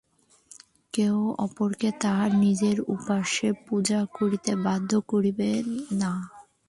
কেহই অপরকে তাহার নিজের উপাস্য পূজা করিতে বাধ্য করিবে না।